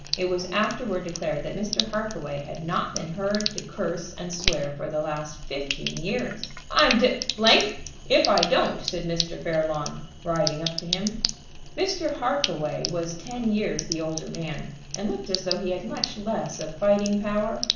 It was afterward declared that Mr. Harkaway had not been heard to curse and swear for the last fifteen years. "I'm d d if I don't!" said Mr. Fairlawn, riding up to him. Mr. Harkaway was ten years the older man, and looked as though he had much less of fighting power.